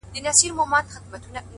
ټول عمر تكه توره شپه وي رڼا كډه كړې،